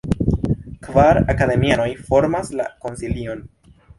Kvar akademianoj formas la konsilion.